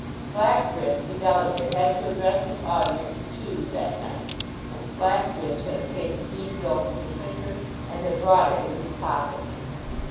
Slackbridge, the delegate, had to address his audience too that night; and Slackbridge had obtained a clean bill from the printer, and had brought it in his pocket.